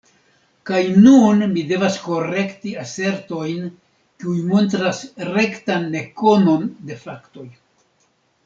Kaj nun mi devas korekti asertojn, kiuj montras rektan nekonon de faktoj.